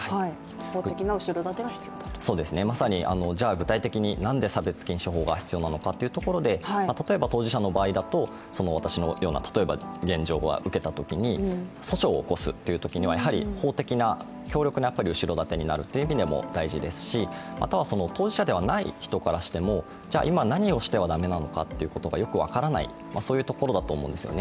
まさに具体的に何で差別禁止法が必要なのかというところで例えば当事者の場合だと私のような、現状を受けたときに、訴訟を起こすというときには法的な、強力な後ろ盾になるという意味でも大事ですし、あとは当事者ではない人からしても何をしてはいけないのかよく分からない、そういうところだと思うんですね。